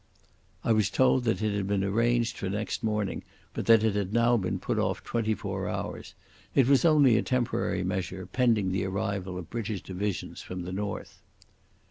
I was told that it had been arranged for next morning, but that it had now been put off twenty four hours. It was only a temporary measure, pending the arrival of British divisions from the north.